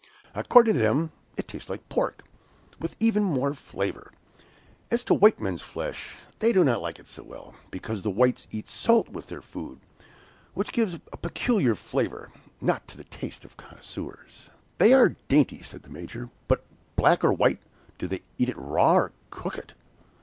According to them it tastes like pork, with even more flavor. As to white men's flesh, they do not like it so well, because the whites eat salt with their food, which gives a peculiar flavor, not to the taste of connoisseurs." "They are dainty," said the Major. "But, black or white, do they eat it raw, or cook it?"